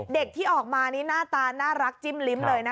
เด็กที่ออกมานี่หน้าตาน่ารักจิ้มลิ้มเลยนะคะ